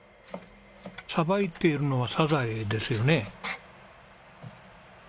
さばいているのはサザエですよね？